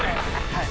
はい。